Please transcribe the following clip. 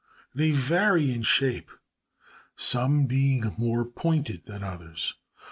They vary in shape, some being more pointed than others.